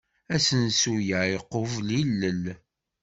Asensu-a iqubel ilel.